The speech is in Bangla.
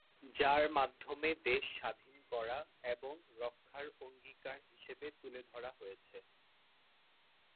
যার মাধ্যমে দেশ স্বাধীন করা এবং রক্ষার অঙ্গীকার হিসেবে তুলে ধরা হয়েছে।